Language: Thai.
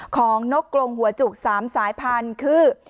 ของนกโกลงหัวจุก๓สายพันคือ